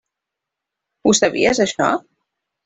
Ho sabies, això?